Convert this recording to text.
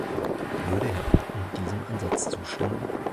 Würde Herr Patten diesem Ansatz zustimmen?